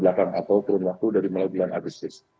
atau kurun waktu dari lima bulan agustus